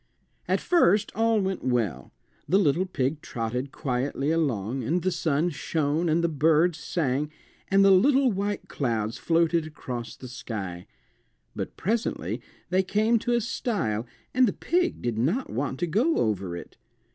At first all went well. The little pig trotted quietly along, and the sun shone, and the birds sang, and the little white clouds floated across the sky. But presently they came to a stile, and the pig did not want to go over it.